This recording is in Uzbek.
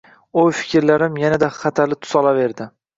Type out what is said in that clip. O`y-fikrlarim yanada xatarli tus olaverdi